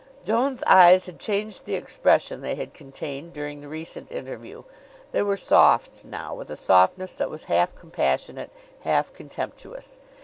Joan's eyes had changed the expression they had contained during the recent interview. They were soft now, with a softness that was half compassionate, half contemptuous.